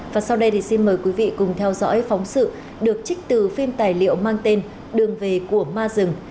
và sau đây thì xin mời quý vị cùng theo dõi phóng sự được trích từ phim tài liệu mang tên đường về của ma rừng